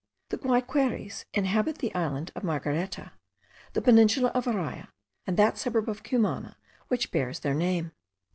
The Guaiqueries inhabit the island of Margareta, the peninsula of Araya, and that suburb of Cumana which bears their name.